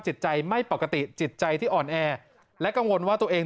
จิตใจไม่ปกติจิตใจที่อ่อนแอและกังวลว่าตัวเอง